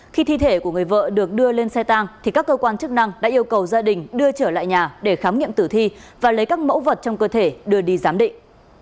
khi thi thể của người vợ được đưa lên xe tang thì các cơ quan chức năng đã yêu cầu gia đình đưa trở lại nhà để khám nghiệm tử thi và lấy các mẫu vật trong cơ thể đưa đi giám định